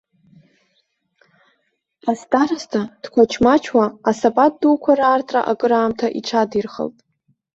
Астароста дқәач-мачуа асапат дуқәа раартра акыраамҭа иҽадирхалт.